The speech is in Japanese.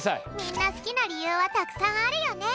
みんなすきなりゆうはたくさんあるよね。